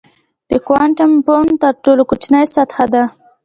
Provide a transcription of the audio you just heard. د کوانټم فوم تر ټولو کوچنۍ سطحه ده.